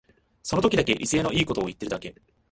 その時だけ威勢のいいこと言ってるだけ